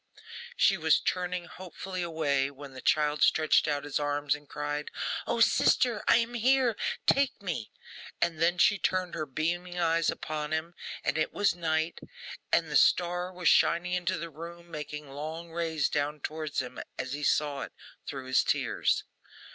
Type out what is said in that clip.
She was turning hopefully away, when the child stretched out his arms, and cried, 'O, sister, I am here! Take me!' and then she turned her beaming eyes upon him, and it was night; and the star was shining into the room, making long rays down towards him as he saw it through his tears.